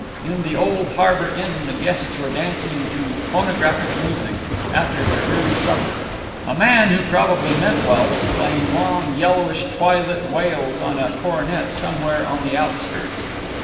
In the Old Harbor Inn the guests were dancing to phonograph music, after their early supper. A man who probably meant well was playing long, yellowish, twilit wails on a cornet, somewhere on the outskirts.